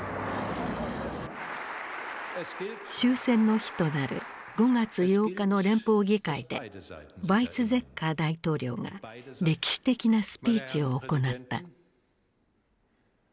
終戦の日となる５月８日の連邦議会でヴァイツゼッカー大統領が歴史的なスピーチを行った。